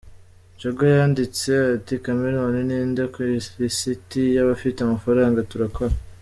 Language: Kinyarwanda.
Jaguar yanditse ati Chameleone ninde ku ilisiti yabafite amafaranga? Turakora.